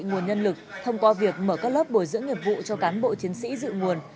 nguồn nhân lực thông qua việc mở các lớp bồi dưỡng nghiệp vụ cho cán bộ chiến sĩ dự nguồn